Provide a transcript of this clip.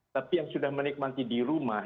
tapi yang sudah menikmati di rumah